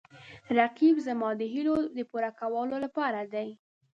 رقیب زما د هیلو د پوره کولو لپاره دی